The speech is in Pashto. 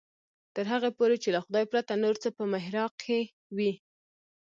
تر هغې پورې چې له خدای پرته نور څه په محراق کې وي.